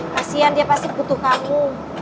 kasian dia pasti butuh kami